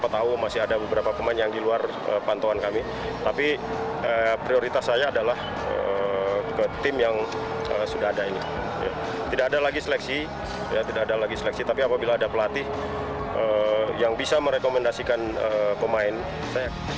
tidak ada lagi seleksi tapi apabila ada pelatih yang bisa merekomendasikan pemain saya